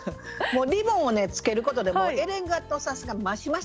リボンをつけることでエレガントさが増しましたね。